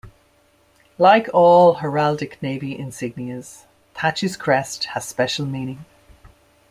Like all heraldic Navy insignias, "Thach"s crest has special meaning.